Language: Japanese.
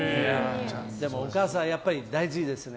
お母さん、やっぱり大事ですね。